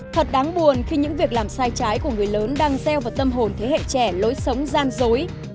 thật đáng buồn khi những việc làm sai trái của người lớn đang gieo vào tâm hồn thế hệ trẻ lối sống gian dối